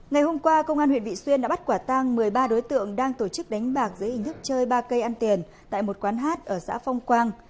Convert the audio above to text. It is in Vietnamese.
ngày hôm qua công an huyện vị xuyên đã bắt quả tang một mươi ba đối tượng đang tổ chức đánh bạc dưới hình thức chơi ba cây ăn tiền tại một quán hát ở xã phong quang